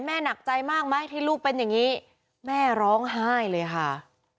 หนักใจมากไหมที่ลูกเป็นอย่างนี้แม่ร้องไห้เลยค่ะ